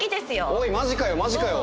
おいマジかよマジかよ！